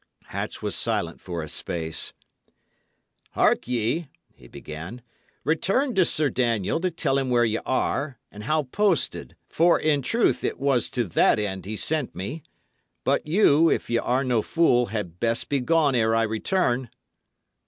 Hatch was silent for a space. "Hark ye," he began, "return to Sir Daniel, to tell him where ye are, and how posted; for, in truth, it was to that end he sent me. But you, if ye are no fool, had best be gone ere I return."